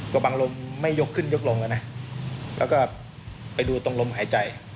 บางลมไม่ยกขึ้นยกลงแล้วนะแล้วก็ไปดูตรงลมหายใจ